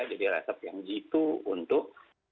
jadi resep yang jitu untuk